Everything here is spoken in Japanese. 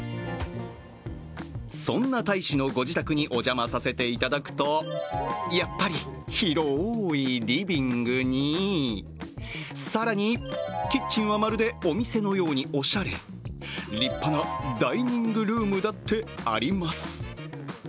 そんな大使のご自宅にお邪魔させていただくとやっぱり広いリビングに更に、キッチンはまるでお店のようにおしゃれ立派なダイニングルームだってあります。